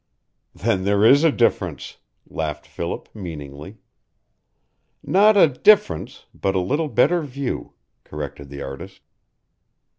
"Then there is a difference," laughed Philip, meaningly. "Not a difference, but a little better view," corrected the artist.